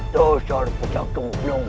tuh siar putraku